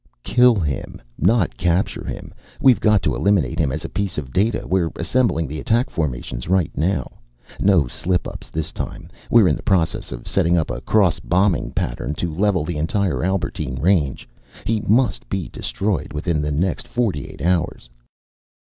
"Kill him, not capture him. We've got to eliminate him as a piece of data. We're assembling the attack formations right now. No slip ups, this time. We're in the process of setting up a cross bombing pattern to level the entire Albertine range. He must be destroyed, within the next forty eight hours."